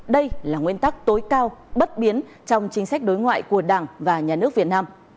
đây là nguyên tắc tối cao bất biến trong chính sách đối ngoại của đảng và nhà nước việt nam